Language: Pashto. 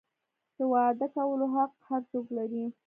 د واده کولو حق هر څوک لري.